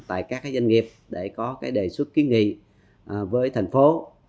tại các doanh nghiệp để có cái đề xuất kiến nghị với thành phố